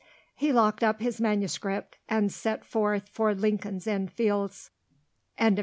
He locked up his manuscript, and set forth for Lincoln's Inn Fields. CHAPTER II.